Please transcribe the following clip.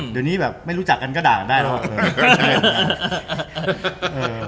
เดี๋ยวนี้แบบไม่รู้จักกันก็ด่ากันได้แล้ว